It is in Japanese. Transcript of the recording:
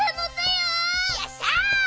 よっしゃ！